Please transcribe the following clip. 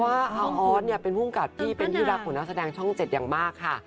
ว่าอาออสเป็นภูมิกับที่เป็นที่รักของนักแสดงช่อง๗อย่างมากค่ะ